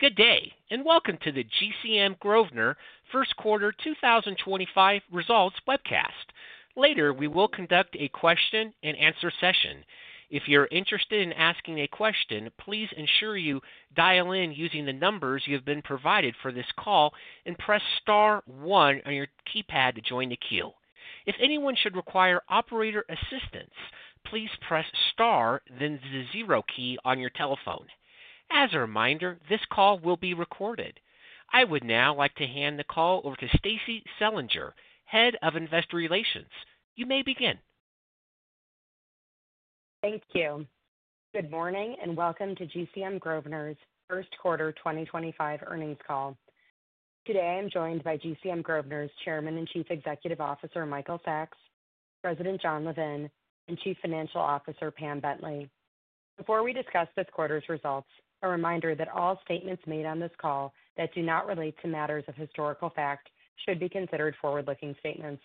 Good day, and welcome to the GCM Grosvenor First Quarter 2025 Results Webcast. Later, we will conduct a question-and-answer session. If you're interested in asking a question, please ensure you dial in using the numbers you have been provided for this call and press star one on your keypad to join the queue. If anyone should require operator assistance, please press star, then the zero key on your telephone. As a reminder, this call will be recorded. I would now like to hand the call over to Stacie Selinger, Head of Investor Relations. You may begin. Thank you. Good morning, and welcome to GCM Grosvenor's First Quarter 2025 earnings call. Today, I'm joined by GCM Grosvenor's Chairman and Chief Executive Officer, Michael Sacks, President Jon Levin, and Chief Financial Officer, Pam Bentley. Before we discuss this quarter's results, a reminder that all statements made on this call that do not relate to matters of historical fact should be considered forward-looking statements.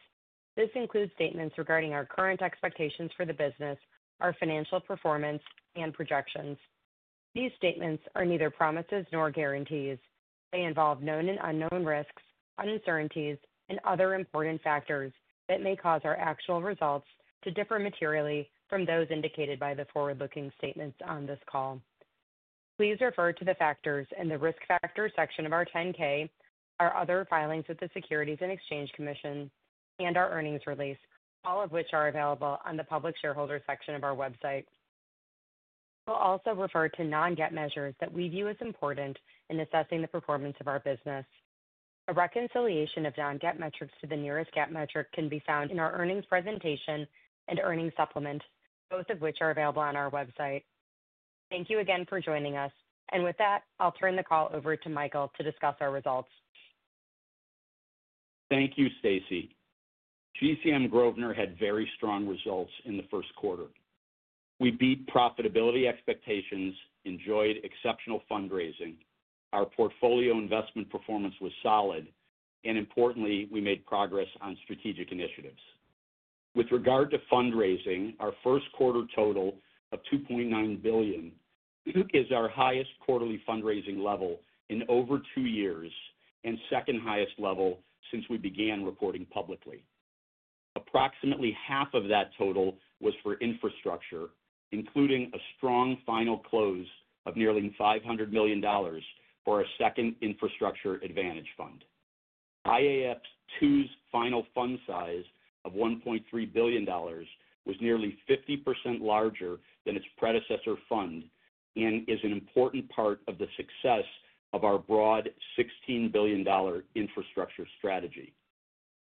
This includes statements regarding our current expectations for the business, our financial performance, and projections. These statements are neither promises nor guarantees. They involve known and unknown risks, uncertainties, and other important factors that may cause our actual results to differ materially from those indicated by the forward-looking statements on this call. Please refer to the factors in the risk factor section of our 10-K, our other filings with the Securities and Exchange Commission, and our earnings release, all of which are available on the public shareholder section of our website. We will also refer to non-GAAP measures that we view as important in assessing the performance of our business. A reconciliation of non-GAAP metrics to the nearest GAAP metric can be found in our earnings presentation and earnings supplement, both of which are available on our website. Thank you again for joining us. With that, I will turn the call over to Michael to discuss our results. Thank you, Stacie. GCM Grosvenor had very strong results in the first quarter. We beat profitability expectations, enjoyed exceptional fundraising, our portfolio investment performance was solid, and importantly, we made progress on strategic initiatives. With regard to fundraising, our first quarter total of $2.9 billion is our highest quarterly fundraising level in over two years and second highest level since we began reporting publicly. Approximately half of that total was for infrastructure, including a strong final close of nearly $500 million for our second Infrastructure Advantage Fund. IAF2's final fund size of $1.3 billion was nearly 50% larger than its predecessor fund and is an important part of the success of our broad $16 billion infrastructure strategy.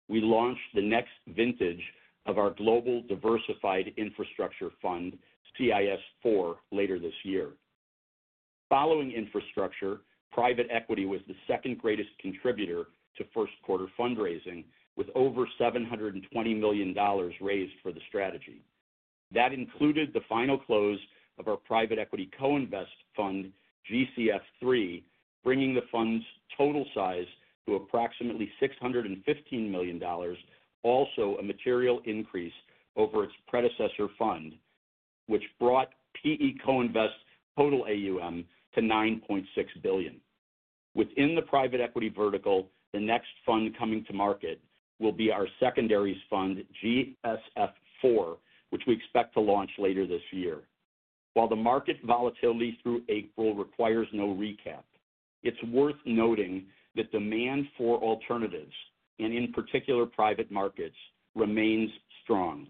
We launched the next vintage of our Global Diversified Infrastructure Fund, CIS4, later this year. Following infrastructure, private equity was the second greatest contributor to first quarter fundraising, with over $720 million raised for the strategy. That included the final close of our private equity co-invest fund, GCF3, bringing the fund's total size to approximately $615 million, also a material increase over its predecessor fund, which brought PE co-invest total AUM to $9.6 billion. Within the private equity vertical, the next fund coming to market will be our secondaries fund, GSF4, which we expect to launch later this year. While the market volatility through April requires no recap, it's worth noting that demand for alternatives, and in particular private markets, remains strong.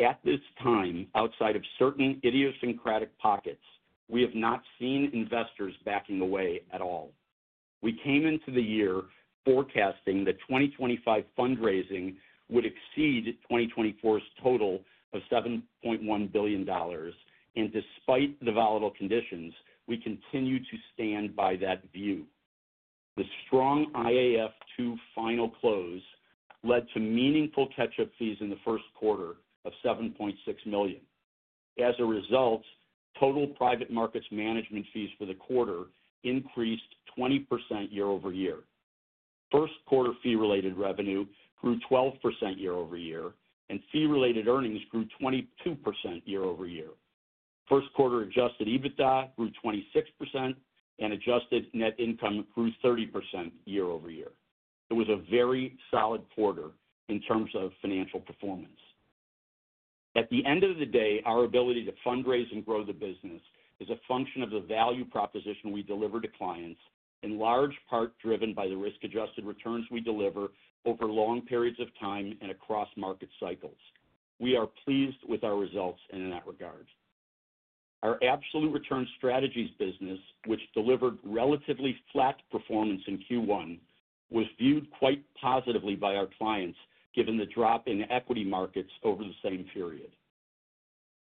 At this time, outside of certain idiosyncratic pockets, we have not seen investors backing away at all. We came into the year forecasting that 2025 fundraising would exceed 2024's total of $7.1 billion, and despite the volatile conditions, we continue to stand by that view. The strong IAF2 final close led to meaningful catch-up fees in the first quarter of $7.6 million. As a result, total private markets management fees for the quarter increased 20% year-over-year. First quarter fee-related revenue grew 12% year-over-year, and fee-related earnings grew 22% year-over-year. First quarter adjusted EBITDA grew 26% and adjusted net income grew 30% year-over-year. It was a very solid quarter in terms of financial performance. At the end of the day, our ability to fundraise and grow the business is a function of the value proposition we deliver to clients, in large part driven by the risk-adjusted returns we deliver over long periods of time and across market cycles. We are pleased with our results in that regard. Our absolute return strategies business, which delivered relatively flat performance in Q1, was viewed quite positively by our clients given the drop in equity markets over the same period.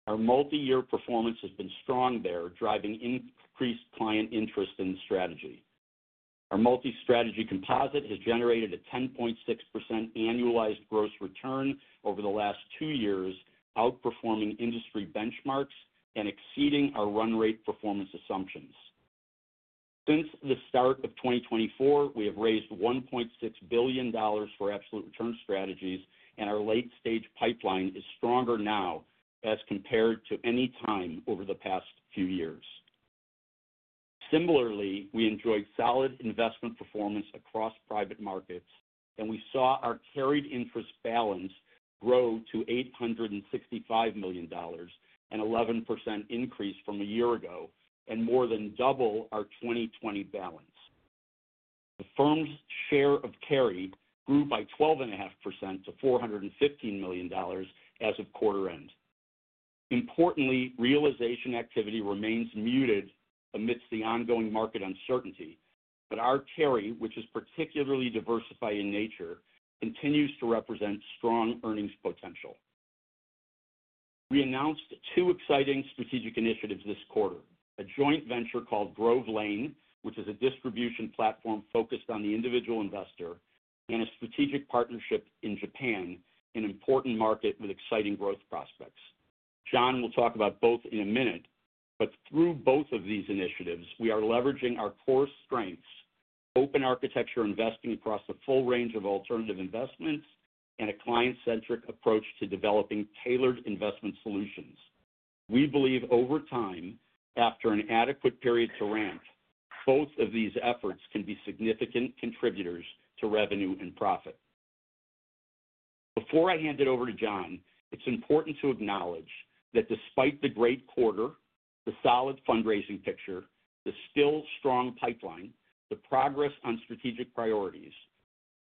Our multi-year performance has been strong there, driving increased client interest in the strategy. Our multi-strategy composite has generated a 10.6% annualized gross return over the last two years, outperforming industry benchmarks and exceeding our run rate performance assumptions. Since the start of 2024, we have raised $1.6 billion for absolute return strategies, and our late-stage pipeline is stronger now as compared to any time over the past few years. Similarly, we enjoyed solid investment performance across private markets, and we saw our carried interest balance grow to $865 million, an 11% increase from a year ago and more than double our 2020 balance. The firm's share of carried grew by 12.5% to $415 million as of quarter end. Importantly, realization activity remains muted amidst the ongoing market uncertainty, but our carry, which is particularly diversified in nature, continues to represent strong earnings potential. We announced two exciting strategic initiatives this quarter: a joint venture called Grove Lane, which is a distribution platform focused on the individual investor, and a strategic partnership in Japan, an important market with exciting growth prospects. Jon will talk about both in a minute, but through both of these initiatives, we are leveraging our core strengths: open architecture investing across the full range of alternative investments and a client-centric approach to developing tailored investment solutions. We believe over time, after an adequate period to ramp, both of these efforts can be significant contributors to revenue and profit. Before I hand it over to Jon, it's important to acknowledge that despite the great quarter, the solid fundraising picture, the still strong pipeline, and the progress on strategic priorities,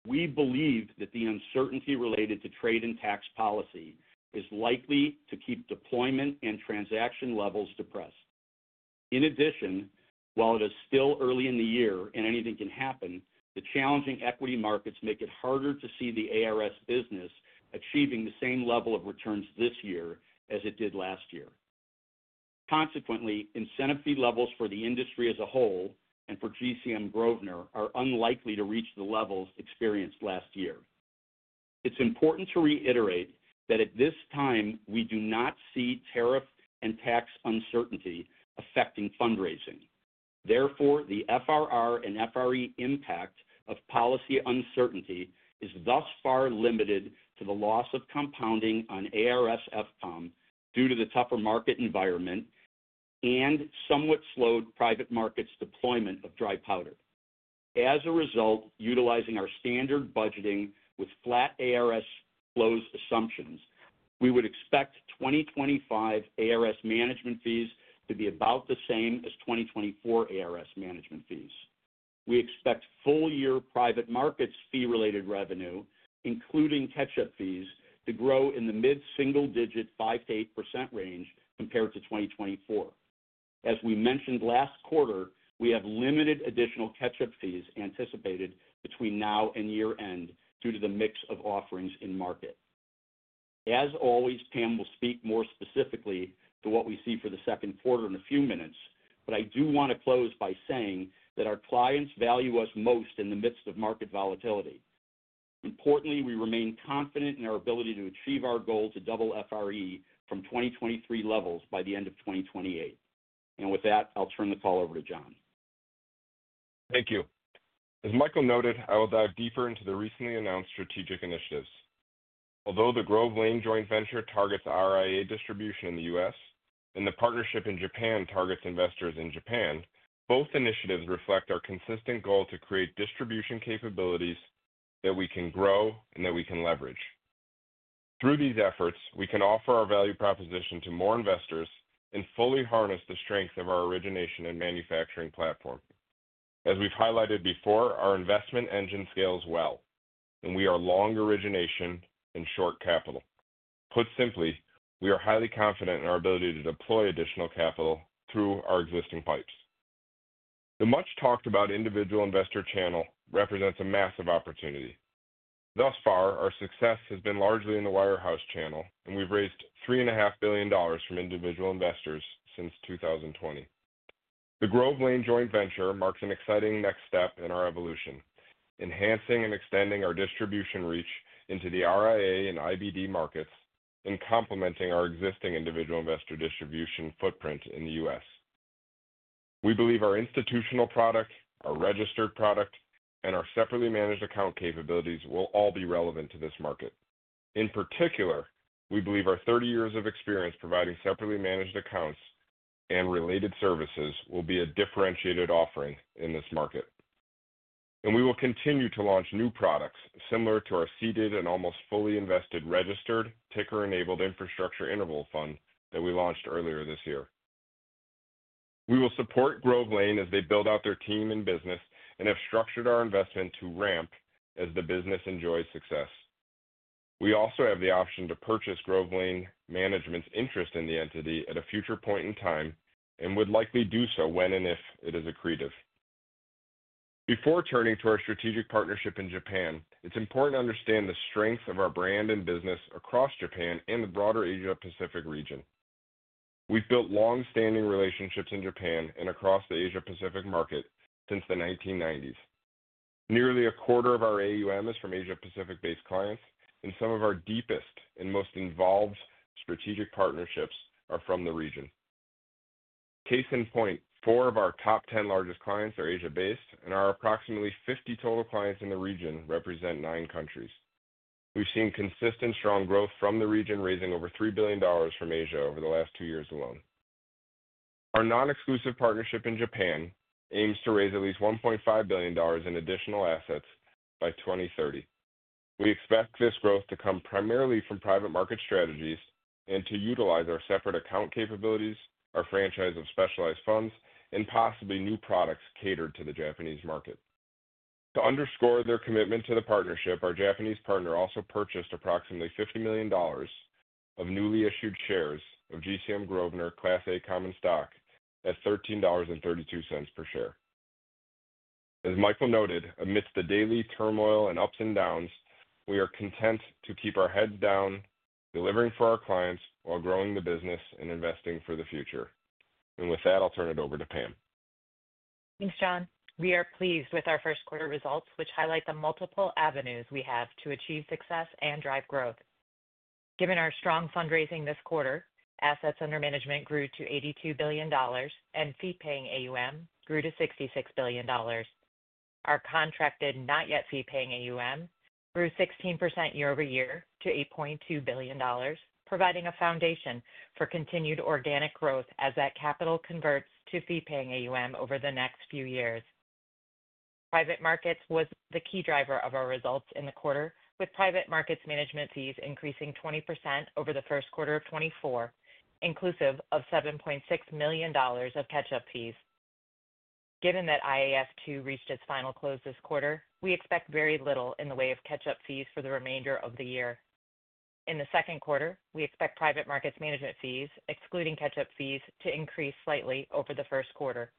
we believe that the uncertainty related to trade and tax policy is likely to keep deployment and transaction levels depressed. In addition, while it is still early in the year and anything can happen, the challenging equity markets make it harder to see the ARS business achieving the same level of returns this year as it did last year. Consequently, incentive fee levels for the industry as a whole and for GCM Grosvenor are unlikely to reach the levels experienced last year. It's important to reiterate that at this time, we do not see tariff and tax uncertainty affecting fundraising. Therefore, the FRR and FRE impact of policy uncertainty is thus far limited to the loss of compounding on ARS FPOM due to the tougher market environment and somewhat slowed private markets' deployment of dry powder. As a result, utilizing our standard budgeting with flat ARS close assumptions, we would expect 2025 ARS management fees to be about the same as 2024 ARS management fees. We expect full-year private markets' fee-related revenue, including catch-up fees, to grow in the mid-single-digit 5%-8% range compared to 2024. As we mentioned last quarter, we have limited additional catch-up fees anticipated between now and year-end due to the mix of offerings in market. As always, Pam will speak more specifically to what we see for the second quarter in a few minutes, but I do want to close by saying that our clients value us most in the midst of market volatility. Importantly, we remain confident in our ability to achieve our goal to double FRE from 2023 levels by the end of 2028. With that, I'll turn the call over to Jon. Thank you. As Michael noted, I will dive deeper into the recently announced strategic initiatives. Although the Grove Lane joint venture targets RIA distribution in the U.S. and the partnership in Japan targets investors in Japan, both initiatives reflect our consistent goal to create distribution capabilities that we can grow and that we can leverage. Through these efforts, we can offer our value proposition to more investors and fully harness the strength of our origination and manufacturing platform. As we've highlighted before, our investment engine scales well, and we are long origination and short capital. Put simply, we are highly confident in our ability to deploy additional capital through our existing pipes. The much talked-about individual investor channel represents a massive opportunity. Thus far, our success has been largely in the wirehouse channel, and we've raised $3.5 billion from individual investors since 2020. The Grove Lane joint venture marks an exciting next step in our evolution, enhancing and extending our distribution reach into the RIA and IBD markets and complementing our existing individual investor distribution footprint in the U.S. We believe our institutional product, our registered product, and our separately managed account capabilities will all be relevant to this market. In particular, we believe our 30 years of experience providing separately managed accounts and related services will be a differentiated offering in this market. We will continue to launch new products similar to our seeded and almost fully invested registered ticker-enabled infrastructure interval fund that we launched earlier this year. We will support Grove Lane as they build out their team and business and have structured our investment to ramp as the business enjoys success. We also have the option to purchase Grove Lane management's interest in the entity at a future point in time and would likely do so when and if it is accretive. Before turning to our strategic partnership in Japan, it's important to understand the strength of our brand and business across Japan and the broader Asia-Pacific region. We've built long-standing relationships in Japan and across the Asia-Pacific market since the 1990s. Nearly a quarter of our AUM is from Asia-Pacific-based clients, and some of our deepest and most involved strategic partnerships are from the region. Case in point, four of our top 10 largest clients are Asia-based, and our approximately 50 total clients in the region represent nine countries. We've seen consistent strong growth from the region, raising over $3 billion from Asia over the last two years alone. Our non-exclusive partnership in Japan aims to raise at least $1.5 billion in additional assets by 2030. We expect this growth to come primarily from private market strategies and to utilize our separate account capabilities, our franchise of specialized funds, and possibly new products catered to the Japanese market. To underscore their commitment to the partnership, our Japanese partner also purchased approximately $50 million of newly issued shares of GCM Grosvenor Class A Common Stock at $13.32 per share. As Michael noted, amidst the daily turmoil and ups and downs, we are content to keep our heads down, delivering for our clients while growing the business and investing for the future. With that, I'll turn it over to Pam. Thanks, Jon. We are pleased with our first quarter results, which highlight the multiple avenues we have to achieve success and drive growth. Given our strong fundraising this quarter, assets under management grew to $82 billion, and fee-paying AUM grew to $66 billion. Our contracted not-yet-fee-paying AUM grew 16% year-over-year to $8.2 billion, providing a foundation for continued organic growth as that capital converts to fee-paying AUM over the next few years. Private markets was the key driver of our results in the quarter, with private markets management fees increasing 20% over the first quarter of 2024, inclusive of $7.6 million of catch-up fees. Given that IAF2 reached its final close this quarter, we expect very little in the way of catch-up fees for the remainder of the year. In the second quarter, we expect private markets management fees, excluding catch-up fees, to increase slightly over the first quarter.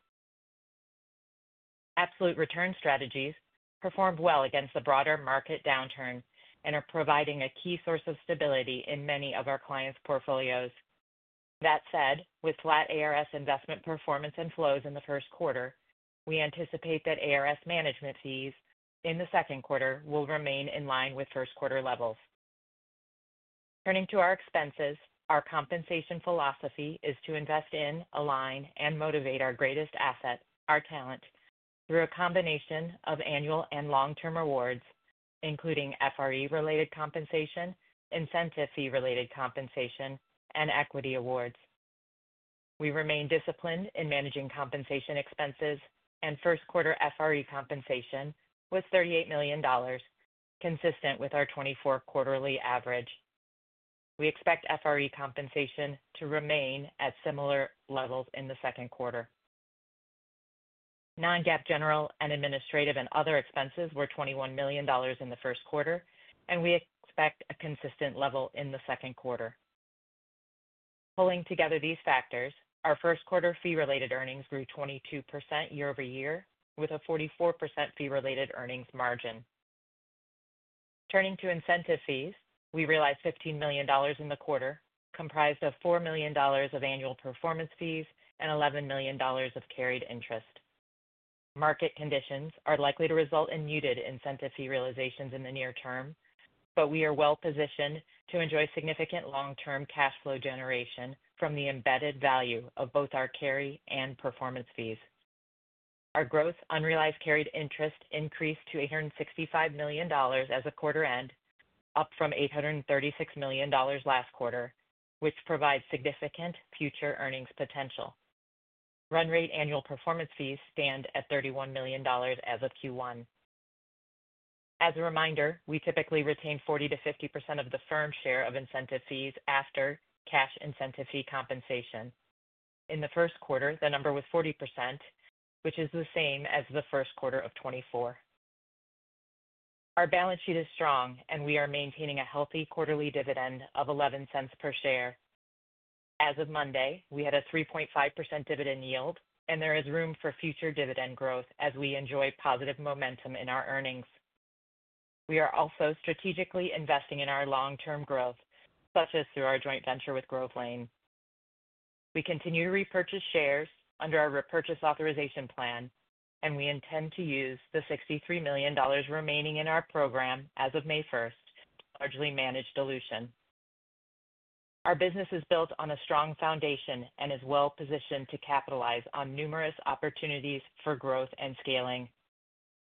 Absolute return strategies performed well against the broader market downturn and are providing a key source of stability in many of our clients' portfolios. That said, with flat ARS investment performance and flows in the first quarter, we anticipate that ARS management fees in the second quarter will remain in line with first quarter levels. Turning to our expenses, our compensation philosophy is to invest in, align, and motivate our greatest asset, our talent, through a combination of annual and long-term rewards, including FRE-related compensation, incentive fee-related compensation, and equity awards. We remain disciplined in managing compensation expenses and first quarter FRE compensation was $38 million, consistent with our 24-quarterly average. We expect FRE compensation to remain at similar levels in the second quarter. Non-GAAP general and administrative and other expenses were $21 million in the first quarter, and we expect a consistent level in the second quarter. Pulling together these factors, our first quarter fee-related earnings grew 22% year-over-year with a 44% fee-related earnings margin. Turning to incentive fees, we realized $15 million in the quarter, comprised of $4 million of annual performance fees and $11 million of carried interest. Market conditions are likely to result in muted incentive fee realizations in the near term, but we are well-positioned to enjoy significant long-term cash flow generation from the embedded value of both our carry and performance fees. Our gross unrealized carried interest increased to $865 million as of quarter end, up from $836 million last quarter, which provides significant future earnings potential. Run rate annual performance fees stand at $31 million as of Q1. As a reminder, we typically retain 40%-50% of the firm share of incentive fees after cash incentive fee compensation. In the first quarter, the number was 40%, which is the same as the first quarter of 2024. Our balance sheet is strong, and we are maintaining a healthy quarterly dividend of $0.11 per share. As of Monday, we had a 3.5% dividend yield, and there is room for future dividend growth as we enjoy positive momentum in our earnings. We are also strategically investing in our long-term growth, such as through our joint venture with Grove Lane. We continue to repurchase shares under our repurchase authorization plan, and we intend to use the $63 million remaining in our program as of May 1, largely to manage dilution. Our business is built on a strong foundation and is well-positioned to capitalize on numerous opportunities for growth and scaling.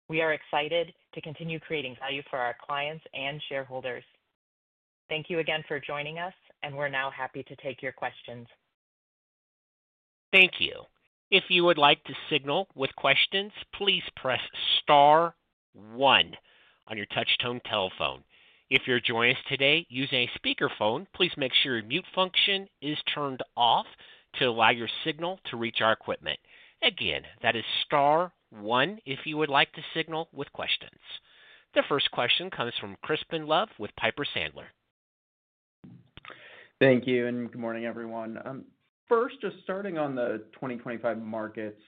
We are excited to continue creating value for our clients and shareholders. Thank you again for joining us, and we're now happy to take your questions. Thank you. If you would like to signal with questions, please press star one on your touch-tone telephone. If you're joining us today, use a speakerphone. Please make sure your mute function is turned off to allow your signal to reach our equipment. Again, that is star one if you would like to signal with questions. The first question comes from Crispin Love with Piper Sandler. Thank you, and good morning, everyone. First, just starting on the 2025 markets,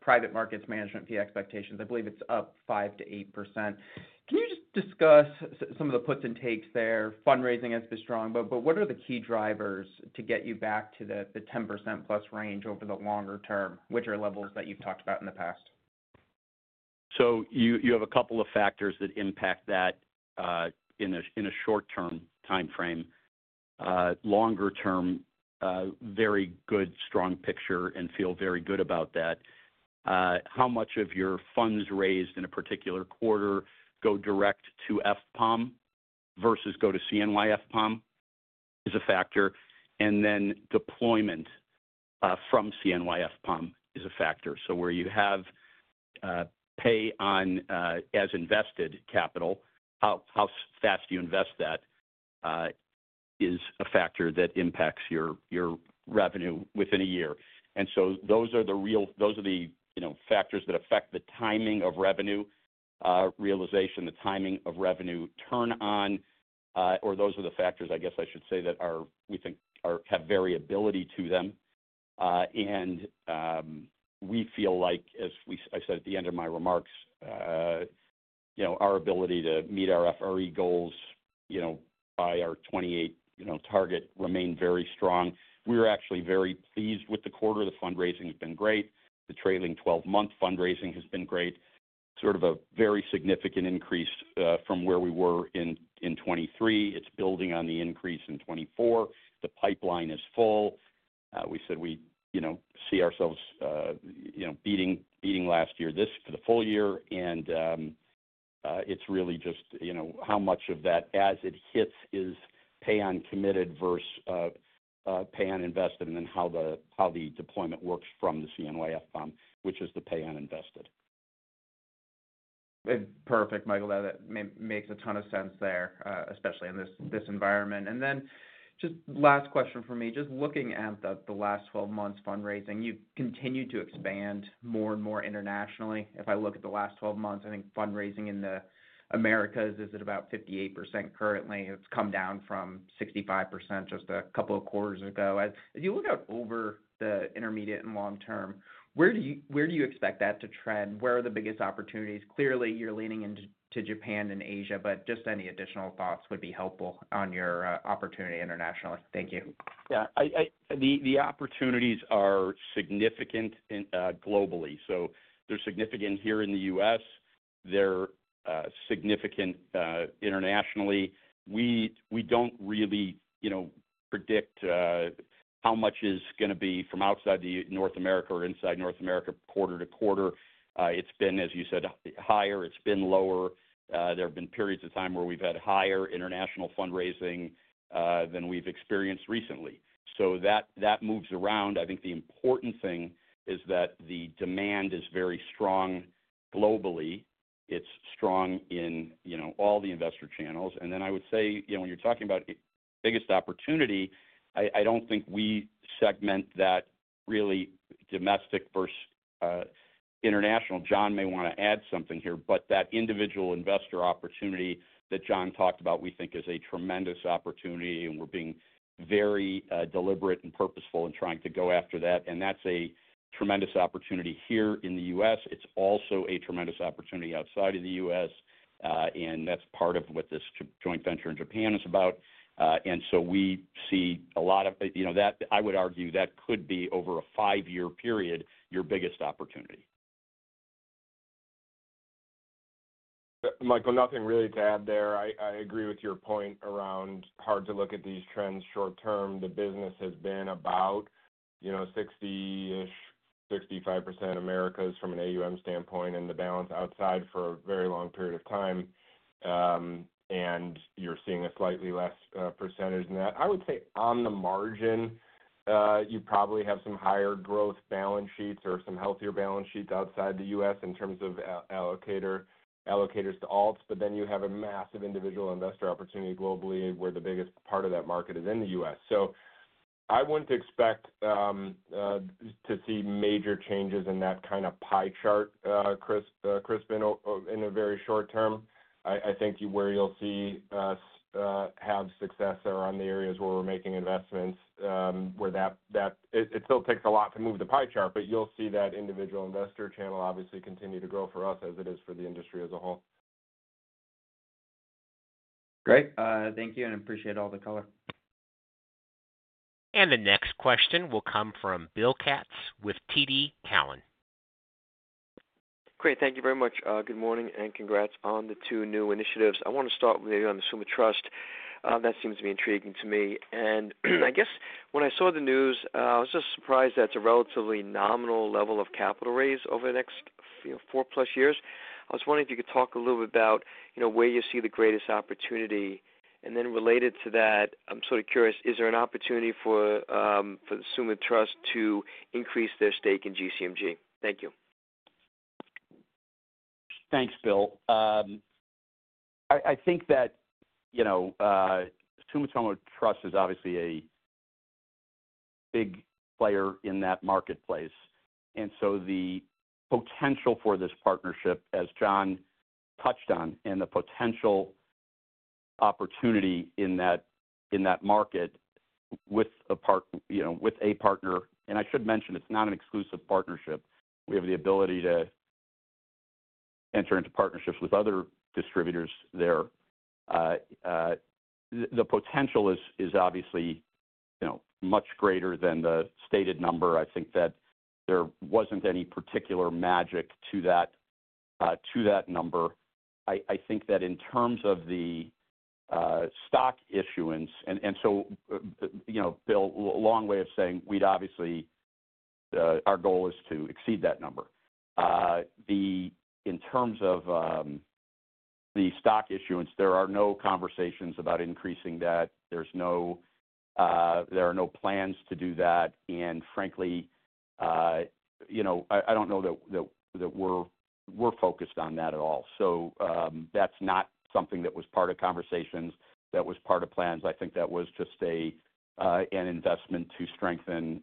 private markets management fee expectations, I believe it's up 5%-8%. Can you just discuss some of the puts and takes there? Fundraising has been strong, but what are the key drivers to get you back to the 10%+ range over the longer term, which are levels that you've talked about in the past? You have a couple of factors that impact that in a short-term timeframe. Longer term, very good, strong picture, and feel very good about that. How much of your funds raised in a particular quarter go direct to FPOM versus go to CNYFPOM is a factor. Then deployment from CNYFPOM is a factor. Where you have pay on as invested capital, how fast you invest that is a factor that impacts your revenue within a year. Those are the real factors that affect the timing of revenue realization, the timing of revenue turn-on, or those are the factors, I guess I should say, that we think have variability to them. We feel like, as I said at the end of my remarks, our ability to meet our FRE goals by our 2028 target remained very strong. We're actually very pleased with the quarter. The fundraising has been great. The trailing 12-month fundraising has been great. Sort of a very significant increase from where we were in 2023. It's building on the increase in 2024. The pipeline is full. We said we see ourselves beating last year for the full year. It's really just how much of that, as it hits, is pay on committed versus pay on invested, and then how the deployment works from the CNYFPOM, which is the pay on invested. Perfect, Michael. That makes a ton of sense there, especially in this environment. Just last question for me. Just looking at the last 12 months fundraising, you've continued to expand more and more internationally. If I look at the last 12 months, I think fundraising in the Americas is at about 58% currently. It's come down from 65% just a couple of quarters ago. As you look out over the intermediate and long term, where do you expect that to trend? Where are the biggest opportunities? Clearly, you're leaning into Japan and Asia, but just any additional thoughts would be helpful on your opportunity internationally. Thank you. Yeah. The opportunities are significant globally. They are significant here in the U.S. They are significant internationally. We do not really predict how much is going to be from outside the North America or inside North America quarter to quarter. It has been, as you said, higher. It has been lower. There have been periods of time where we have had higher international fundraising than we have experienced recently. That moves around. I think the important thing is that the demand is very strong globally. It is strong in all the investor channels. I would say when you are talking about biggest opportunity, I do not think we segment that really domestic versus international. Jon may want to add something here, but that individual investor opportunity that Jon talked about, we think is a tremendous opportunity, and we are being very deliberate and purposeful in trying to go after that. That is a tremendous opportunity here in the U.S. It is also a tremendous opportunity outside of the U.S., and that is part of what this joint venture in Japan is about. We see a lot of that. I would argue that could be, over a five-year period, your biggest opportunity. Michael, nothing really to add there. I agree with your point around hard to look at these trends short-term. The business has been about 60%-65% Americas from an AUM standpoint and the balance outside for a very long period of time. You are seeing a slightly less percentage than that. I would say on the margin, you probably have some higher growth balance sheets or some healthier balance sheets outside the U.S. in terms of allocators to alts, but then you have a massive individual investor opportunity globally where the biggest part of that market is in the U.S. I would not expect to see major changes in that kind of pie chart, Crispin, in a very short term. I think where you'll see us have success are on the areas where we're making investments, where that it still takes a lot to move the pie chart, but you'll see that individual investor channel obviously continue to grow for us as it is for the industry as a whole. Great. Thank you, and appreciate all the color. The next question will come from Bill Katz with TD Cowen. Great. Thank you very much. Good morning and congrats on the two new initiatives. I want to start with the Sumo Trust. That seems to be intriguing to me. I guess when I saw the news, I was just surprised that it is a relatively nominal level of capital raise over the next 4+ years. I was wondering if you could talk a little bit about where you see the greatest opportunity. Related to that, I am sort of curious, is there an opportunity for the SuMI TRUST to increase their stake in GCMG? Thank you. Thanks, Bill. I think that Sumitomo Trust is obviously a big player in that marketplace. The potential for this partnership, as Jon touched on, and the potential opportunity in that market with a partner, and I should mention it's not an exclusive partnership. We have the ability to enter into partnerships with other distributors there. The potential is obviously much greater than the stated number. I think that there wasn't any particular magic to that number. I think that in terms of the stock issuance, and Bill, a long way of saying we'd obviously our goal is to exceed that number. In terms of the stock issuance, there are no conversations about increasing that. There are no plans to do that. Frankly, I don't know that we're focused on that at all. That's not something that was part of conversations, that was part of plans. I think that was just an investment to strengthen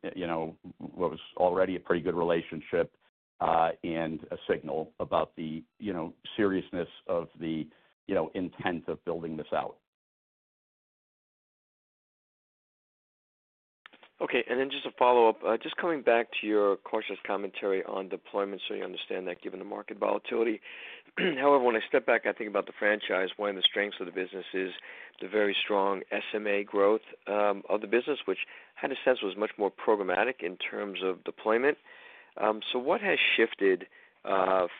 what was already a pretty good relationship and a signal about the seriousness of the intent of building this out. Okay. Just a follow-up. Just coming back to your cautious commentary on deployment, you understand that given the market volatility. However, when I step back, I think about the franchise, one of the strengths of the business is the very strong SMA growth of the business, which I had a sense was much more programmatic in terms of deployment. What has shifted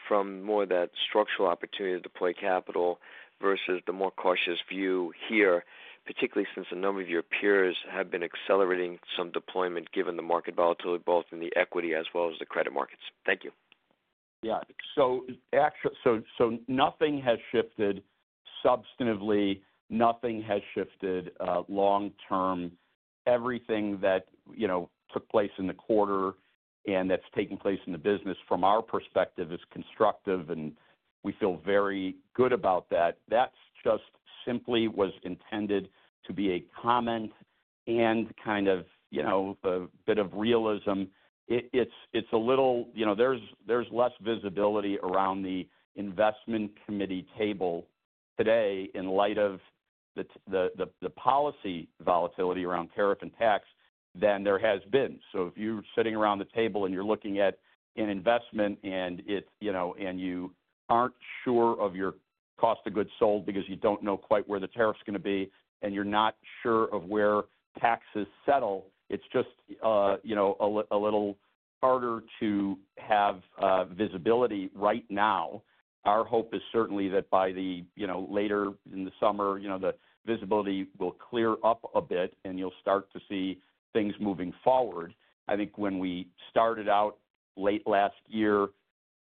from more of that structural opportunity to deploy capital versus the more cautious view here, particularly since a number of your peers have been accelerating some deployment given the market volatility, both in the equity as well as the credit markets? Thank you. Yeah. Nothing has shifted substantively. Nothing has shifted long-term. Everything that took place in the quarter and that's taking place in the business, from our perspective, is constructive, and we feel very good about that. That just simply was intended to be a comment and kind of a bit of realism. It's a little there's less visibility around the investment committee table today in light of the policy volatility around tariff and tax than there has been. If you're sitting around the table and you're looking at an investment and you aren't sure of your cost of goods sold because you don't know quite where the tariff's going to be, and you're not sure of where taxes settle, it's just a little harder to have visibility right now. Our hope is certainly that by later in the summer, the visibility will clear up a bit, and you'll start to see things moving forward. I think when we started out late last year,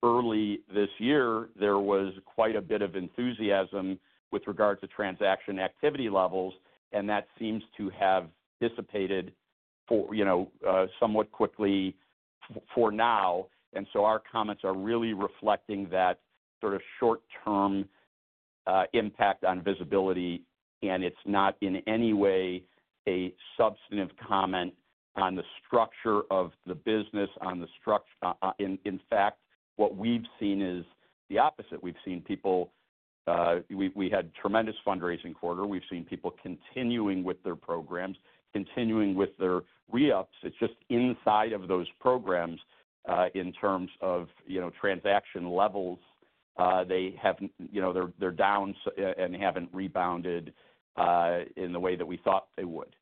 early this year, there was quite a bit of enthusiasm with regard to transaction activity levels, and that seems to have dissipated somewhat quickly for now. Our comments are really reflecting that sort of short-term impact on visibility, and it's not in any way a substantive comment on the structure of the business. In fact, what we've seen is the opposite. We've seen people, we had a tremendous fundraising quarter. We've seen people continuing with their programs, continuing with their re-ups. It's just inside of those programs in terms of transaction levels. They're down and haven't rebounded in the way that we thought they would.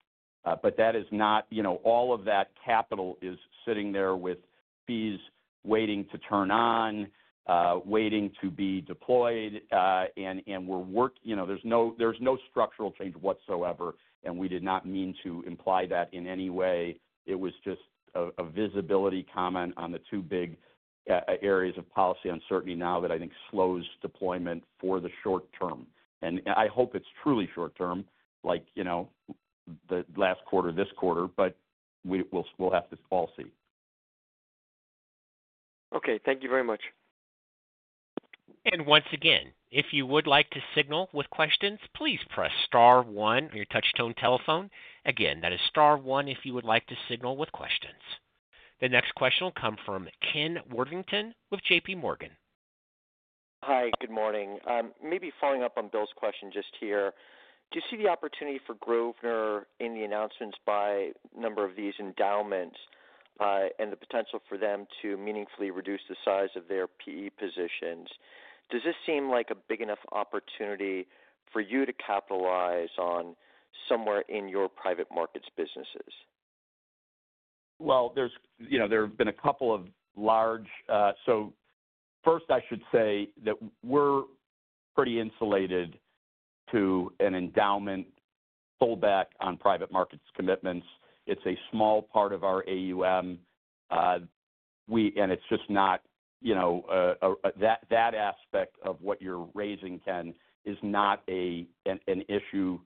That is not all of that capital is sitting there with fees waiting to turn on, waiting to be deployed, and we're working. There's no structural change whatsoever, and we did not mean to imply that in any way. It was just a visibility comment on the two big areas of policy uncertainty now that I think slows deployment for the short term. I hope it's truly short-term, like the last quarter, this quarter, but we'll have to all see. Okay. Thank you very much. If you would like to signal with questions, please press star one on your touchstone telephone. Again, that is star one if you would like to signal with questions. The next question will come from Ken Worthington with JPMorgan. Hi. Good morning. Maybe following up on Bill's question just here. Do you see the opportunity for Grosvenor in the announcements by a number of these endowments and the potential for them to meaningfully reduce the size of their PE positions? Does this seem like a big enough opportunity for you to capitalize on somewhere in your private markets businesses? There have been a couple of large. First, I should say that we're pretty insulated to an endowment pullback on private markets commitments. It's a small part of our AUM, and it's just not that aspect of what you're raising, Ken, is not an issue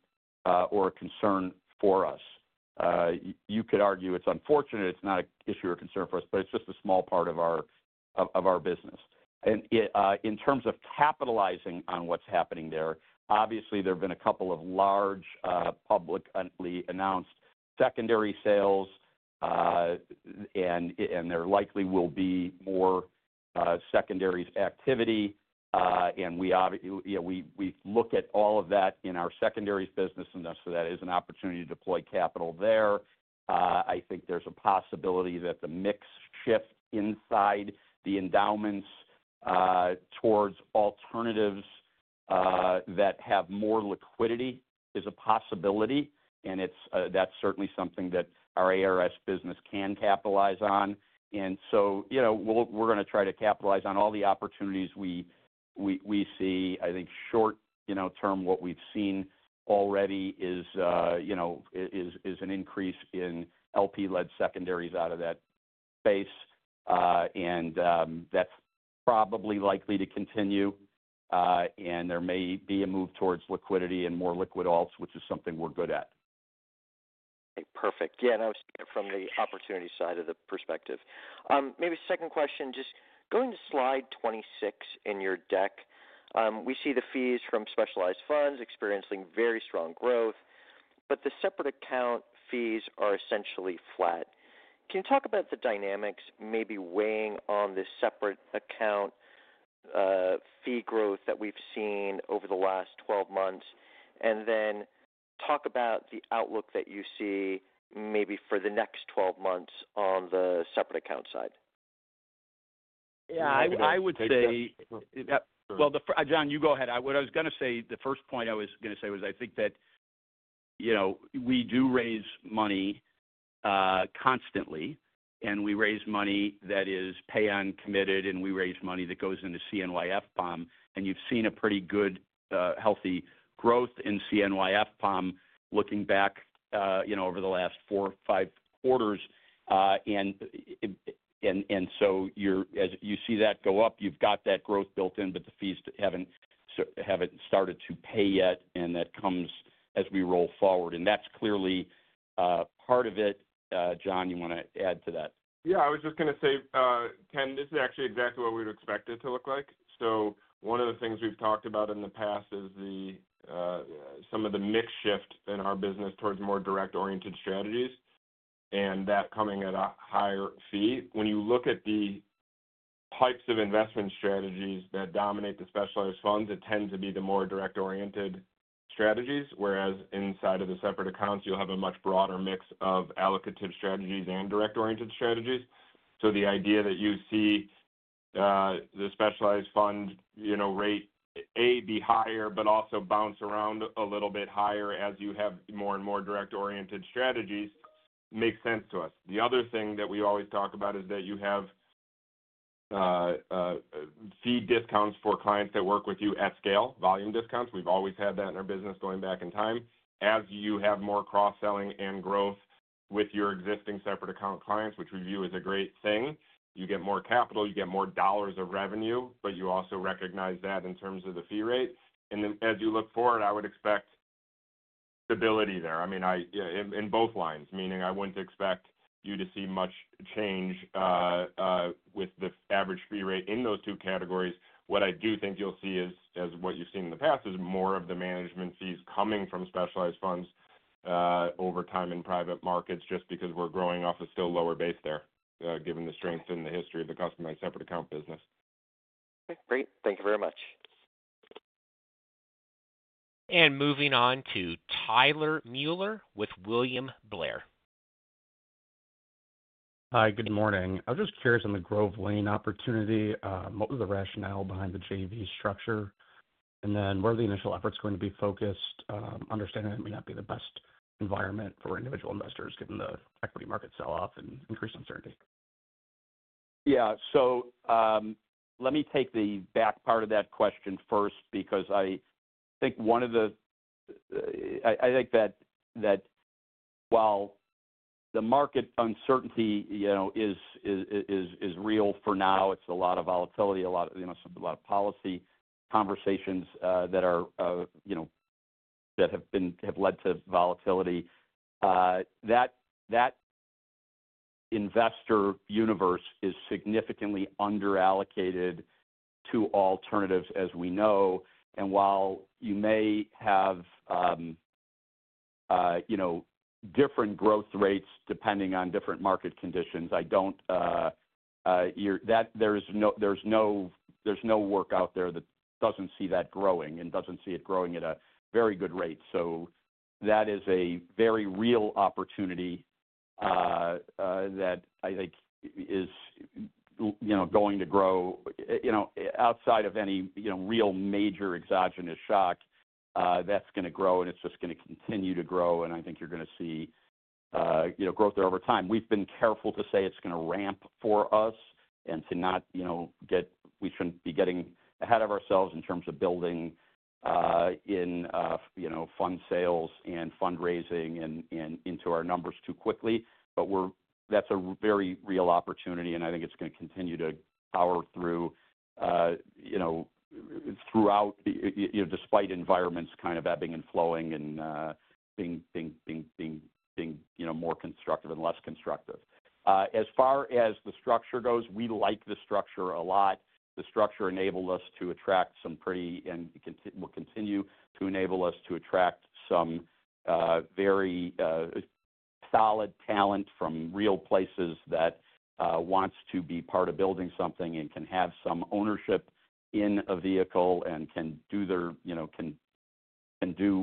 or a concern for us. You could argue it's unfortunate. It's not an issue or a concern for us, but it's just a small part of our business. In terms of capitalizing on what's happening there, obviously, there have been a couple of large publicly announced secondary sales, and there likely will be more secondaries activity. We look at all of that in our secondaries business, and so that is an opportunity to deploy capital there. I think there's a possibility that the mix shift inside the endowments towards alternatives that have more liquidity is a possibility. That is certainly something that our ARS business can capitalize on. We are going to try to capitalize on all the opportunities we see. I think short-term, what we have seen already is an increase in LP-led secondaries out of that space, and that is probably likely to continue. There may be a move towards liquidity and more liquid alts, which is something we are good at. Okay. Perfect. Yeah. From the opportunity side of the perspective. Maybe second question, just going to slide 26 in your deck, we see the fees from specialized funds experiencing very strong growth, but the separate account fees are essentially flat. Can you talk about the dynamics maybe weighing on the separate account fee growth that we've seen over the last 12 months, and then talk about the outlook that you see maybe for the next 12 months on the separate account side? Yeah, I would say. I think. Jon, you go ahead. What I was going to say, the first point I was going to say was I think that we do raise money constantly, and we raise money that is pay on committed, and we raise money that goes into CNYFPOM. You have seen a pretty good, healthy growth in CNYFPOM looking back over the last four or five quarters. You see that go up. You have that growth built in, but the fees have not started to pay yet, and that comes as we roll forward. That is clearly part of it. Jon, you want to add to that? Yeah. I was just going to say, Ken, this is actually exactly what we would expect it to look like. One of the things we've talked about in the past is some of the mix shift in our business towards more direct-oriented strategies and that coming at a higher fee. When you look at the types of investment strategies that dominate the specialized funds, it tends to be the more direct-oriented strategies, whereas inside of the separate accounts, you'll have a much broader mix of allocative strategies and direct-oriented strategies. The idea that you see the specialized fund rate, A, be higher, but also bounce around a little bit higher as you have more and more direct-oriented strategies makes sense to us. The other thing that we always talk about is that you have fee discounts for clients that work with you at scale, volume discounts. We've always had that in our business going back in time. As you have more cross-selling and growth with your existing separate account clients, which we view as a great thing, you get more capital, you get more dollars of revenue, but you also recognize that in terms of the fee rate. I mean, as you look forward, I would expect stability there. I mean, in both lines, meaning I would not expect you to see much change with the average fee rate in those two categories. What I do think you will see is, as what you have seen in the past, is more of the management fees coming from specialized funds over time in private markets just because we are growing off a still lower base there, given the strength and the history of the customized separate account business. Okay. Great. Thank you very much. Moving on to Tyler Mulier with William Blair. Hi. Good morning. I was just curious on the Grove Lane opportunity. What was the rationale behind the JV structure? What are the initial efforts going to be focused on? Understanding that it may not be the best environment for individual investors given the equity market sell-off and increased uncertainty. Yeah. Let me take the back part of that question first because I think that while the market uncertainty is real for now, it's a lot of volatility, a lot of policy conversations that have led to volatility, that investor universe is significantly underallocated to alternatives as we know. And while you may have different growth rates depending on different market conditions, I don't think there's any work out there that doesn't see that growing and doesn't see it growing at a very good rate. That is a very real opportunity that I think is going to grow outside of any real major exogenous shock that's going to grow, and it's just going to continue to grow. I think you're going to see growth there over time. We've been careful to say it's going to ramp for us and to not get we shouldn't be getting ahead of ourselves in terms of building in fund sales and fundraising into our numbers too quickly. That's a very real opportunity, and I think it's going to continue to power through throughout despite environments kind of ebbing and flowing and being more constructive and less constructive. As far as the structure goes, we like the structure a lot. The structure enabled us to attract some pretty and will continue to enable us to attract some very solid talent from real places that wants to be part of building something and can have some ownership in a vehicle and can do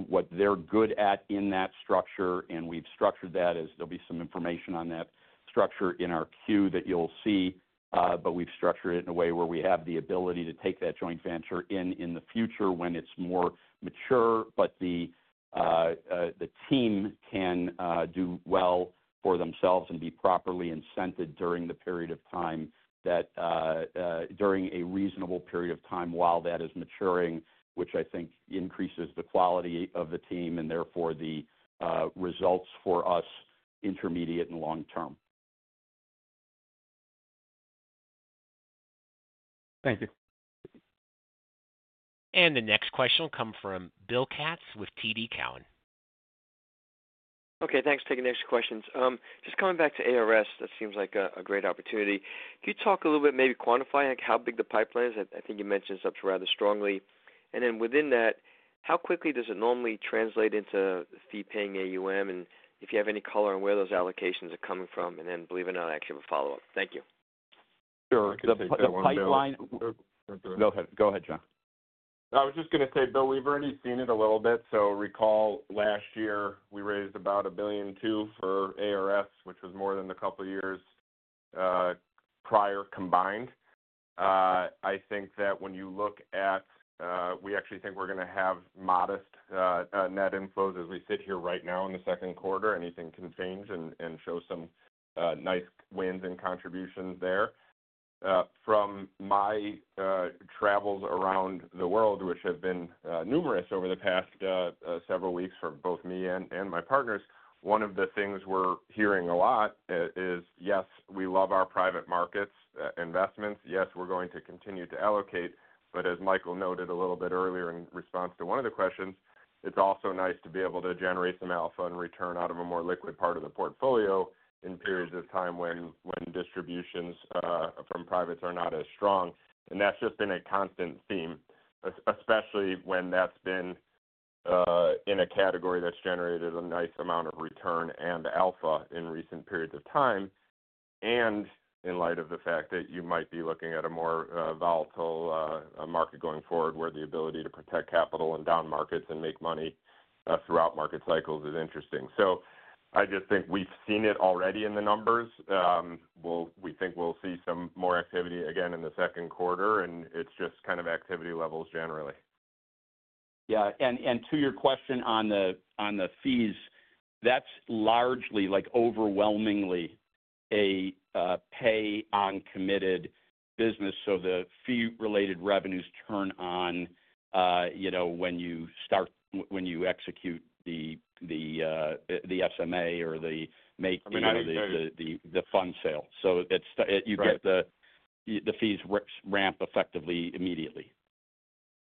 what they're good at in that structure. We have structured that as there will be some information on that structure in our queue that you will see, but we have structured it in a way where we have the ability to take that joint venture in in the future when it is more mature, but the team can do well for themselves and be properly incented during the period of time that during a reasonable period of time while that is maturing, which I think increases the quality of the team and therefore the results for us intermediate and long term. Thank you. The next question will come from Bill Katz with TD Cowen. Okay. Thanks for taking the next questions. Just coming back to ARS, that seems like a great opportunity. Can you talk a little bit, maybe quantify how big the pipeline is? I think you mentioned something rather strongly. Within that, how quickly does it normally translate into the fee-paying AUM? If you have any color on where those allocations are coming from, and then believe it or not, I actually have a follow-up. Thank you. Sure. The pipeline. Go ahead. Go ahead, Jon. I was just going to say, Bill, you've seen it a little bit. Recall last year, we raised about $1.2 billion for ARS, which was more than a couple of years prior combined. I think that when you look at it, we actually think we're going to have modest net inflows as we sit here right now in the second quarter. Anything can change and show some nice wins and contributions there. From my travels around the world, which have been numerous over the past several weeks for both me and my partners, one of the things we're hearing a lot is, yes, we love our private markets investments. Yes, we're going to continue to allocate. As Michael noted a little bit earlier in response to one of the questions, it's also nice to be able to generate some alpha and return out of a more liquid part of the portfolio in periods of time when distributions from privates are not as strong. That's just been a constant theme, especially when that's been in a category that's generated a nice amount of return and alpha in recent periods of time. In light of the fact that you might be looking at a more volatile market going forward where the ability to protect capital in down markets and make money throughout market cycles is interesting. I just think we've seen it already in the numbers. We think we'll see some more activity again in the second quarter, and it's just kind of activity levels generally. Yeah. To your question on the fees, that's largely overwhelmingly a pay on committed business. The fee-related revenues turn on when you start, when you execute the SMA or make the fund sale. You get the fees ramp effectively immediately.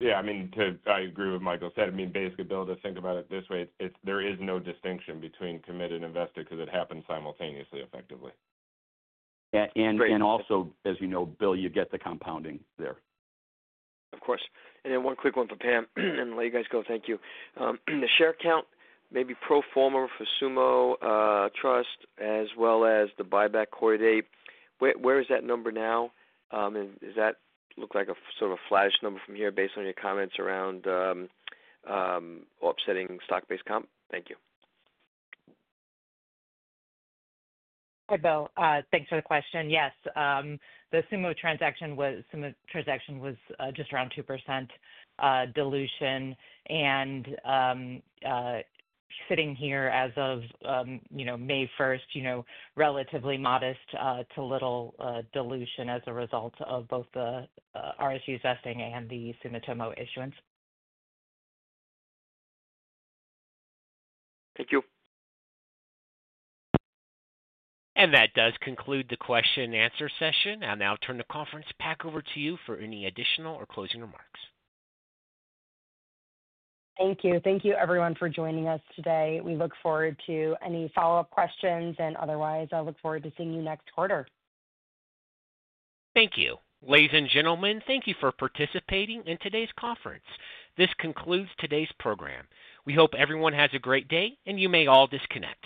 Yeah. I mean, I agree with what Michael said. I mean, basically, Bill, to think about it this way, there is no distinction between committed and invested because it happens simultaneously, effectively. As you know, Bill, you get the compounding there. Of course. One quick one from Pam. While you guys go, thank you. The share count, maybe pro forma for SumoTrust, as well as the buyback quarter to date, where is that number now? Does that look like a sort of flash number from here based on your comments around offsetting stock-based comp? Thank you. Hi, Bill. Thanks for the question. Yes. The Sumo transaction was just around 2% dilution. Sitting here as of May 1, relatively modest to little dilution as a result of both the RSU vesting and the Sumitomo issuance. Thank you. That does conclude the question-and-answer session. I'll now turn the conference back over to you for any additional or closing remarks. Thank you. Thank you, everyone, for joining us today. We look forward to any follow-up questions. Otherwise, I look forward to seeing you next quarter. Thank you. Ladies and gentlemen, thank you for participating in today's conference. This concludes today's program. We hope everyone has a great day, and you may all disconnect.